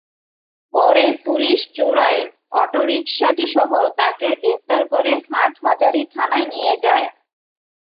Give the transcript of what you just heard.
পরে পুলিশ চোরাই অটোরিকশাটিসহ তাঁকে গ্রেপ্তার করে হাটহাজারী থানায় নিয়ে যায়।